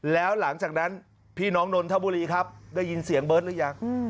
แล้วหลังจากนั้นพี่น้องนนทบุรีครับได้ยินเสียงเบิร์ตหรือยัง